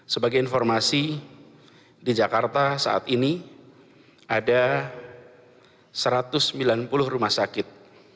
sebagai informasi di jakarta saat ini ada satu ratus sembilan puluh rumah sakit